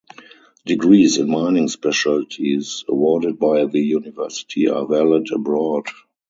Degrees in mining specialities awarded by the University are valid abroad.